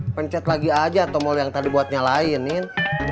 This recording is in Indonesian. pencet lagi aja tombol yang tadi buat nyalain nin